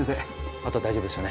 あとは大丈夫ですよね？